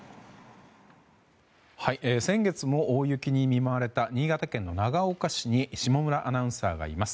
先月も大雪に見舞われた新潟県の長岡市に下村アナウンサーがいます。